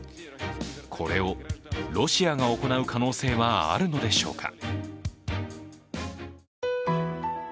これをロシアが行う可能性はあるのでしょうか。